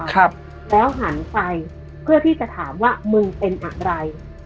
ครับแล้วหันไปเพื่อที่จะถามว่ามึงเป็นอะไร